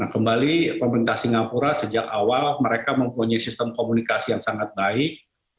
kembali pemerintah singapura sejak awal mereka mempunyai sistem komunikasi yang sangat baik